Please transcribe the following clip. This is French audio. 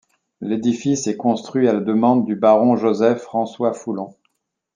L'édifice est construit à la demande du baron Joseph François Foullon.